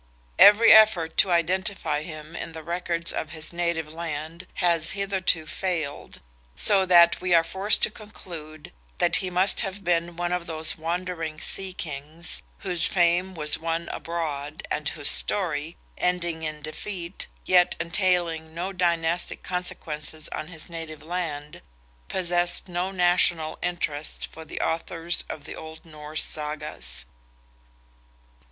Every effort to identify him in the records of his native land has hitherto failed—so that we are forced to conclude that he must have been one of those wandering sea kings, whose fame was won abroad, and whose story, ending in defeat, yet entailing no dynastic consequences on his native land, possessed no national interest for the authors of the old Norse Sagas.